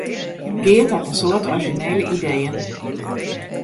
Geart hat in soad orizjinele ideeën.